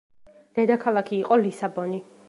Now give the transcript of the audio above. დედაქალაქი იყო ლისაბონი.